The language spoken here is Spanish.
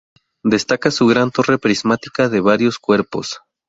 Destaca su gran torre prismática de varios cuerpos.